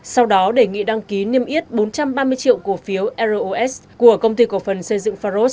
sau đó đề nghị đăng ký niêm yết bốn trăm ba mươi triệu cổ phiếu ros của công ty cổ phần xây dựng pharos